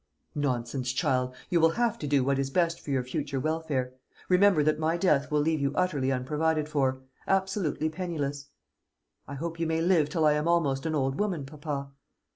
"Nonsense, child; you will have to do what is best for your future welfare. Remember that my death will leave you utterly unprovided for absolutely penniless." "I hope you may live till I am almost an old woman, papa."